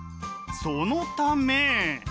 そのため。